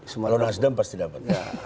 lalu hasdam pasti dapat